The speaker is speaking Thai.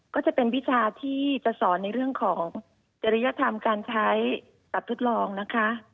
ก็จะเป็นวิชาที่จะสอนในเรื่องของจริยธรรมการใช้ตัดทดลองนะคะ